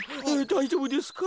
だいじょうぶですか？